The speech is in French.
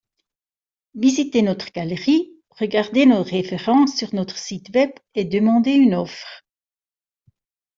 Visitez notre galerie, regardez nos références sur notre site web et demandez une offre!